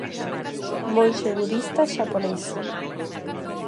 Monxe budista xaponés.